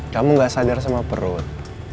kamu gak sadar sama perut